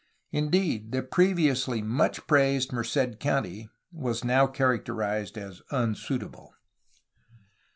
Indeed the previously much praised Merced country was now characterized as unsuitable.